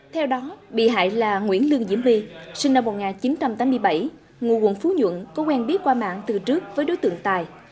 theo đó bị hại là nguyễn lương diễm vi sinh năm một nghìn chín trăm tám mươi bảy ngụ quận phú nhuận có quen biết qua mạng từ trước với đối tượng tài